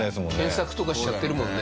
検索とかしちゃってるもんね。